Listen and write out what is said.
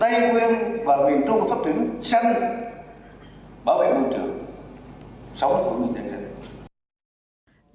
tây nguyên và miền trung phát triển sân bảo vệ nguồn trường sống của nguyên nhân dân